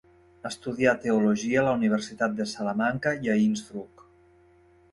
Estudià teologia a la Universitat de Salamanca i a Innsbruck.